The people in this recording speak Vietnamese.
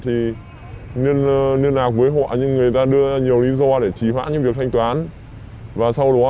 thì liên lạc với họ nhưng người ta đưa nhiều lý do để trì hoãn những việc thanh toán và sau đó